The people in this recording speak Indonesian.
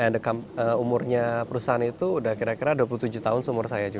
and the come umurnya perusahaan itu udah kira kira dua puluh tujuh tahun seumur saya juga